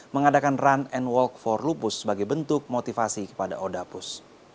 mengadakan run and walk for lupus sebagai bentuk motivasi kepada odapus